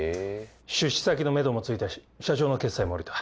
出資先のめどもついたし社長の決裁も下りた。